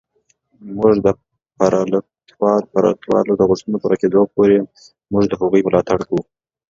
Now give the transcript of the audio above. موږ به د پرلتوالو د غوښتنو پوره کېدو پورې موږ د هغوی ملاتړ کوو